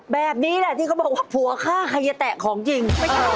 แบบนี้แหละที่เขาบอกว่าผัวฆ่าใครจะแตะของจริง